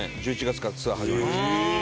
１１月からツアー始まりますから。